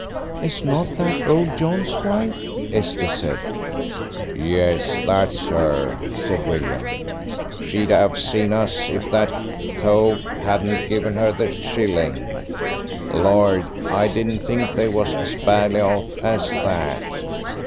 "Is not that old John's wife?" Esther said. "Yes, that's her," said William. "She'd have seen us if that cove hadn't given her the shilling.... Lord, I didn't think they was as badly off as that.